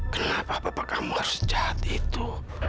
kenapa bapak kamu harus jahat itu